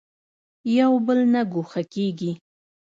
یو بل نه ګوښه کېږي.